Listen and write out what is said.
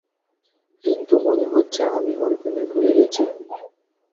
কিন্তু মনে হচ্ছে আমি ওর প্রেমে পড়ে গেছি।